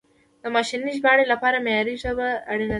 د ماشیني ژباړې لپاره معیاري ژبه اړینه ده.